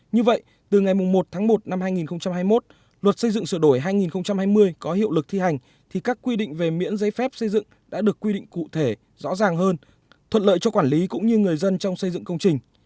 như vậy từ ngày một tháng một năm hai nghìn hai mươi một luật xây dựng sửa đổi hai nghìn hai mươi có hiệu lực thi hành thì các quy định về miễn giấy phép xây dựng đã được quy định cụ thể rõ ràng hơn thuận lợi cho quản lý cũng như người dân trong xây dựng công trình